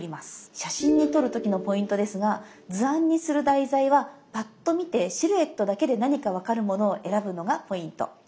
写真に撮る時のポイントですが図案にする題材はパッと見てシルエットだけで何かわかるものを選ぶのがポイント。